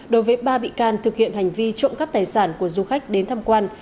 đối với ba bị can thực hiện hành vi trộm cắp tài sản của du khách đến tham quan